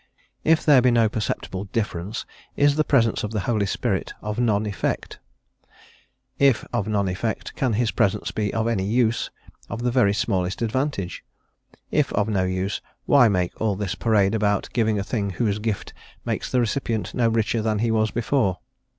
if there be no perceptible difference is the presence of the Holy Spirit of none effect? if of none effect can his presence be of any use, of the very smallest advantage? if of no use, why make all this parade about giving a thing whose gift makes the recipient no richer than he was before?